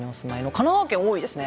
神奈川県多いですね。